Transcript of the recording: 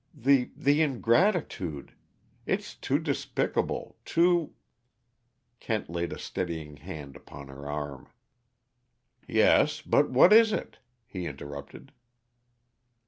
The the ingratitude! It's too despicable too " Kent laid a steadying hand upon her arm. "Yes but what is it?" he interrupted.